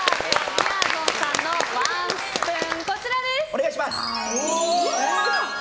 みやぞんさんのワンスプーンこちらです。